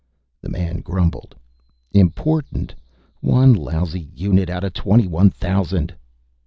The man grumbled, "Important! One lousy unit out of twenty one thousand."